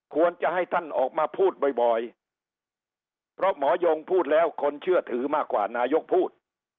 ควรจะให้ท่านออกมาพูดบ่อยเพราะหมอยงพูดแล้วคนเชื่อถือมากกว่านายกพูด